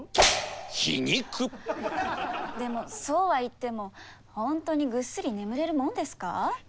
・「皮肉！」でもそうは言っても本当にぐっすり眠れるもんですか？